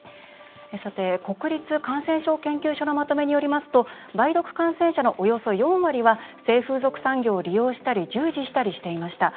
国立感染症研究所のまとめによりますと梅毒感染者のおよそ４割は性風俗産業を利用したり従事したりしていました。